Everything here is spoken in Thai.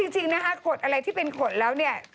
จริงนะคะขดอะไรที่เป็นขดแล้วเนี่ย